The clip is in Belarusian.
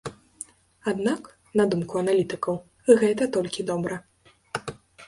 Аднак, на думку аналітыкаў, гэта толькі добра.